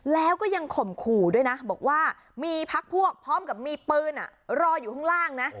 แล้วก็ยังข่มขู่ด้วยนะบอกว่ามีพักพวกพร้อมกับมีปืนรออยู่ข้างล่างนะ